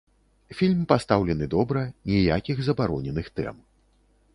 Фільм пастаўлены добра, ніякіх забароненых тэм.